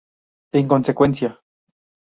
En consecuencia.